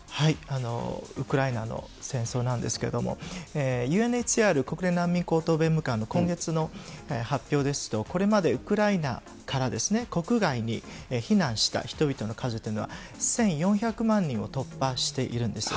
ウクライナの戦争なんですけども、ＵＮＨＣＲ・国連難民高等弁務官事務所なんですけれども、今月の発表ですと、これまでウクライナから国外に避難した人々の数というのは、１４００万人を突破しているんです。